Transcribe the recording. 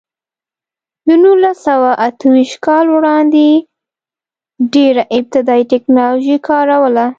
د نولس سوه اته ویشت کال وړاندې ډېره ابتدايي ټکنالوژي کار وله.